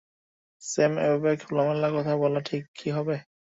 Sam, এভাবে খোলামেলা কথা বলা কি ঠিক হবে?